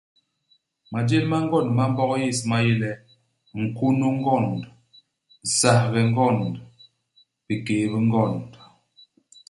Majél ma ngond ma Mbog yés ma yé le, nkônô u ngond, nsahbe u ngond, bikéy bi ngond.